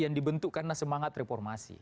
yang dibentukkan semangat reformasi